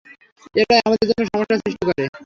এটাই আমাদের জন্য সমস্যা সৃষ্টি করে।